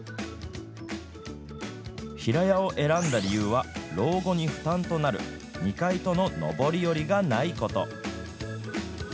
平屋を選んだ理由は、老後に負担となる２階との上り下りがないこと。